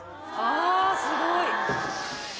あぁすごい。